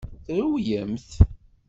Rewlemt!